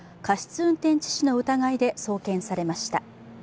運転致死の疑いで送検されました。